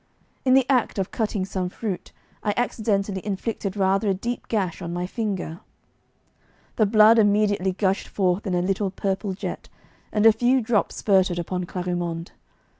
In the act of cutting some fruit I accidentally inflicted rather a deep gash on my finger. The blood immediately gushed forth in a little purple jet, and a few drops spurted upon Clarimonde.